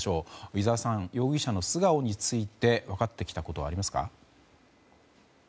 井澤さん、容疑者の素顔について分かってきたことはありますか？